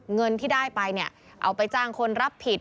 เงินที่ได้ไปเนี่ยเอาไปจ้างคนรับผิด